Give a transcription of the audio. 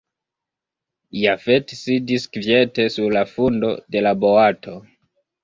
Jafet sidis kviete sur la fundo de la boato.